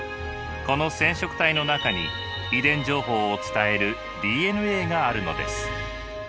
この染色体の中に遺伝情報を伝えるＤＮＡがあるのです。